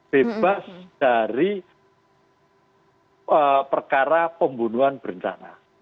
bebas dari perkara pembunuhan berencana